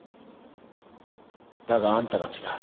だがあんたが来た。